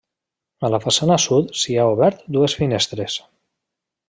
A la façana sud s'hi ha obert dues finestres.